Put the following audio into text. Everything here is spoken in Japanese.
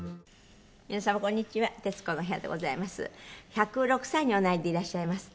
１０６歳におなりでいらっしゃいますって。